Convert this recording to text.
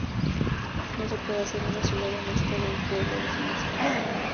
No se puede hacer una ciudad honesta de un pueblo deshonesto.